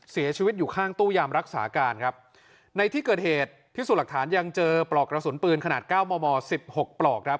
เสียชีวิตอยู่ข้างตู้ยามรักษาการครับในที่เกิดเหตุพิสูจน์หลักฐานยังเจอปลอกกระสุนปืนขนาดเก้ามอมอสิบหกปลอกครับ